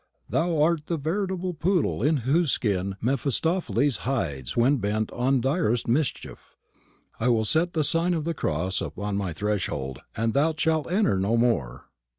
"Thou art the veritable poodle in whose skin Mephistopheles hides when bent on direst mischief. I will set the sign of the cross upon my threshold, and thou shalt enter no more."